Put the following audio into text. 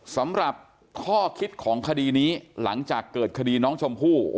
สำหรับข้อคิดของคดีนี้หลังจากเกิดคดีน้องชมพู่